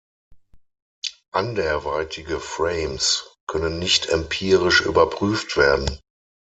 Anderweitige Frames können nicht empirisch überprüft werden.